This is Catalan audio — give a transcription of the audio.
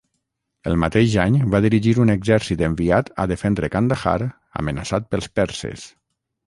El mateix any va dirigir un exèrcit enviat a defendre Kandahar amenaçat pels perses.